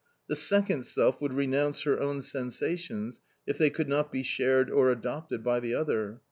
The second self would renounce her own sensations if they could not be shared or adopted by the other.